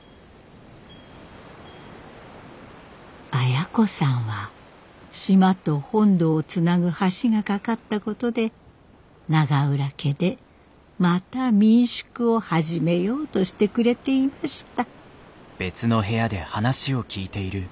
亜哉子さんは島と本土をつなぐ橋が架かったことで永浦家でまた民宿を始めようとしてくれていました。